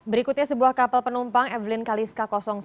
berikutnya sebuah kapal penumpang evelyn kaliska satu